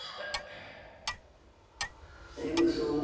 眠そうね。